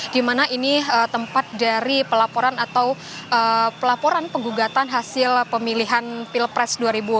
di mana ini tempat dari pelaporan atau pelaporan penggugatan hasil pemilihan pilpres dua ribu dua puluh